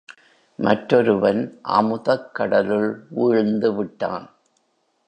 மற்றொருவன் அமுதக் கடலுள் வீழ்ந்துவிட்டான்.